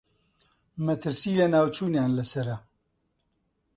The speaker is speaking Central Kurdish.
مەترسیی لەناوچوونیان لەسەرە.